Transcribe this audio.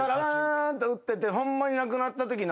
打っててホンマになくなったときの。